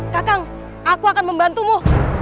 kakang aku akan membantumu